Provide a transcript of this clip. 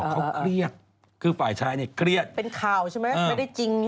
เขาเครียดคือฝ่ายชายเนี่ยเครียดเป็นข่าวใช่ไหมไม่ได้จริง